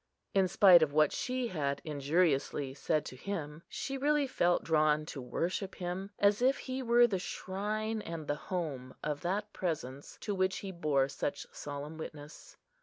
In spite of what she had injuriously said to him, she really felt drawn to worship him, as if he were the shrine and the home of that Presence to which he bore such solemn witness.